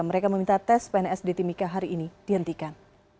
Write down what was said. mereka meminta tes pns di timika hari ini dihentikan